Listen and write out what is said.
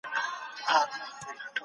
د اوبو څښل د بدن اړتیا ده.